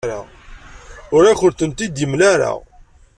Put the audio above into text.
Ur akent-tent-id-yemla ara.